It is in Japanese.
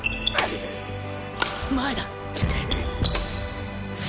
前だ！